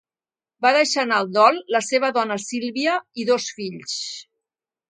Va deixar en el dol la seva dona Silvia i dos fills.